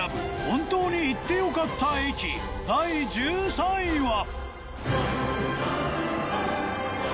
本当に行ってよかった駅第１３位は。